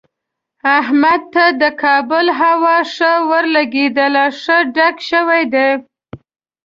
احمد ته د کابل هوا ښه ورلګېدلې، ښه ډک شوی دی.